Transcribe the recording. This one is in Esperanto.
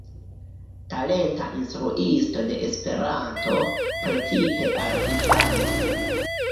Talenta instruisto de Esperanto, precipe al infanoj.